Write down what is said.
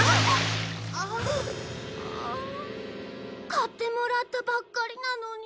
買ってもらったばっかりなのに。